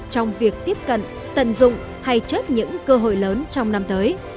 trong việc tiếp cận tận dụng hay chết những cơ hội lớn trong năm tới